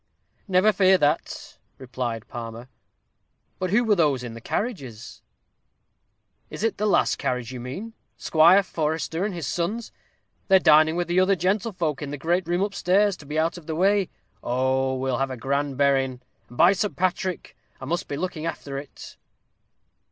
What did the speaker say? "Never fear that," replied Palmer. "But who were those in the carriages?" "Is it the last carriage you mean? Squire Forester and his sons. They're dining with the other gentlefolk, in the great room up stairs, to be out of the way. Oh, we'll have a grand berrin'. And, by St. Patrick! I must be looking after it."